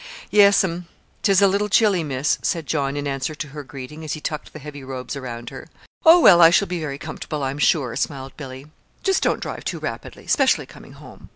"Yes'm, 'tis a little chilly, Miss," said John, in answer to her greeting, as he tucked the heavy robes about her. "Oh, well, I shall be very comfortable, I'm sure," smiled Billy. "Just don't drive too rapidly, specially coming home.